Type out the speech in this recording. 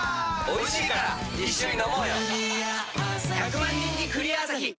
１００万人に「クリアアサヒ」